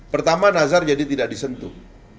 pertama nazar jadi tidak disentuh